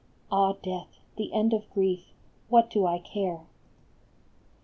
" Ah, death, the end of grief, what do I care?